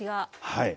はい。